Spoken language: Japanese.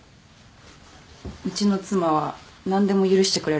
うちの妻は何でも許してくれる女だって。